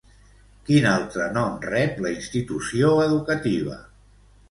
Quin altre nom rep la institució educativa?